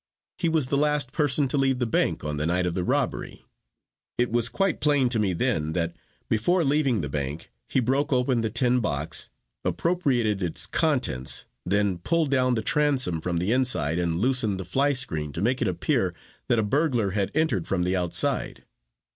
He was the last person to leave the bank on the night of the robbery. It was quite plain to me then that before leaving the bank he broke open the tin box, appropriated its contents, then pulled down the transom from the inside and loosened the fly screen to make it appear that a burglar had entered from the outside.